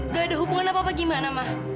gak ada hubungan apa apa gimana